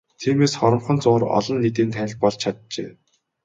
Тиймээс хоромхон зуур олон нийтийн танил болж чаджээ.